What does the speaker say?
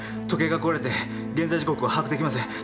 時計が壊れて現在時刻を把握できません。